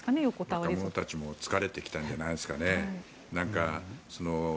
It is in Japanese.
若者たちも疲れてきたんじゃないですかね。